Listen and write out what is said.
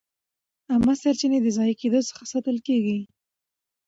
عامه سرچینې د ضایع کېدو څخه ساتل کېږي.